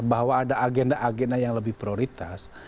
bahwa ada agenda agenda yang lebih prioritas